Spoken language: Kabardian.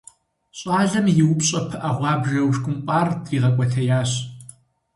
Щӏалэм и упщӀэ пыӀэ гъуабжэ ушкӀумпӀар дригъэкӀуэтеящ.